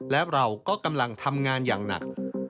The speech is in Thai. และเราก็กำลังทำงานอย่างหนัก